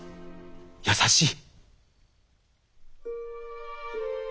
優しい。